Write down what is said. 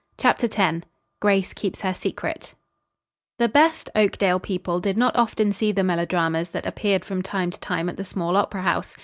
CHAPTER X GRACE KEEPS HER SECRET The "best" Oakdale people did not often see the melodramas that appeared from time to time at the small opera house.